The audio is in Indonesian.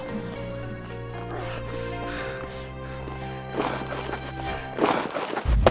saya akan menang